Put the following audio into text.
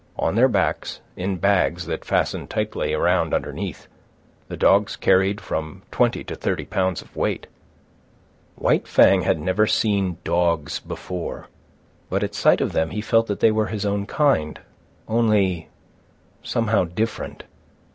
On their backs, in bags that fastened tightly around underneath, the dogs carried from twenty to thirty pounds of weight. White Fang had never seen dogs before, but at sight of them he felt that they were his own kind, only somehow different.